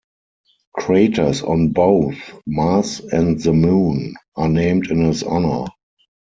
Craters on both Mars and the Moon are named in his honor.